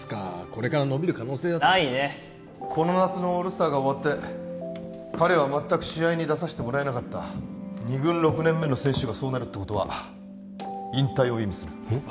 これから伸びる可能性だってないねこの夏のオールスターが終わって彼は全く試合に出させてもらえなかった２軍６年目の選手がそうなるってことは引退を意味するえっ？